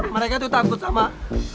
mereka itu takut sama hantu